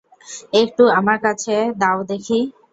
একটু আমার কাছে দাও দেখি।